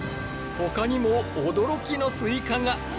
ほかにも驚きのスイカが。